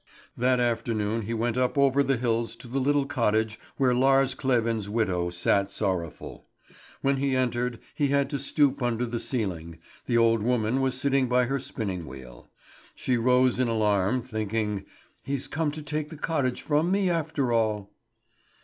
That afternoon he went up over the hills to the little cottage where Lars Kleven's widow sat sorrowful. When he entered he had to stoop under the ceiling the old woman was sitting by her spinning wheel. She rose in alarm, thinking, "He's come to take the cottage from me after all."